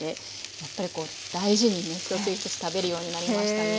やっぱりこう大事にね一つ一つ食べるようになりましたね。